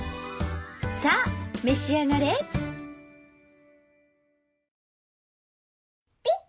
さぁ召し上がれピッ！